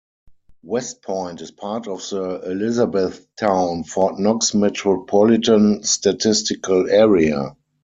West Point is part of the Elizabethtown-Fort Knox Metropolitan Statistical Area.